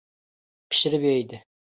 — Pishirib yeydi!